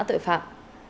chuy nã tội phạm